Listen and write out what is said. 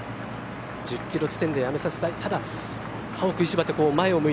１０キロ地点でやめさせたい。